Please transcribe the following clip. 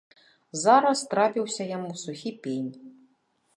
Зараз трапіўся яму сухі пень.